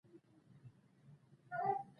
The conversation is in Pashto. د هندي مسلمانانو څخه یې پیل کوي.